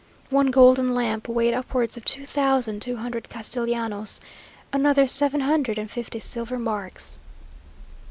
One golden lamp weighed upwards of two thousand two hundred castellanos another seven hundred and fifty silver marks.